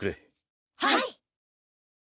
はい！